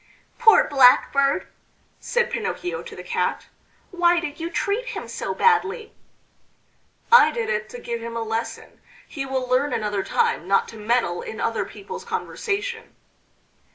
"Poor Blackbird!" said Pinocchio to the Cat. "Why did you treat him so badly?" "I did it to give him a lesson. He will learn another time not to meddle in other people's conversation."